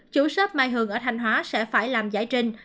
chủ sớp mai hường ở thanh hóa sẽ phải làm giải trình